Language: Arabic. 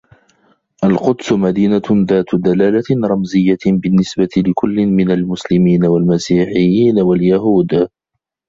القدس مدينة ذات دلالة رمزيّة بالنّسبة لكلّ من المسلمين و المسيحيّين و اليهود.